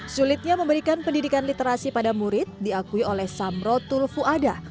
sulitnya memberikan pendidikan literasi pada murid diakui oleh samro tulfu adah